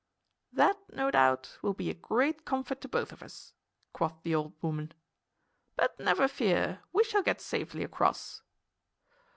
"That, no doubt, will be a great comfort to both of us," quoth the old woman. "But never fear! We shall get safely across."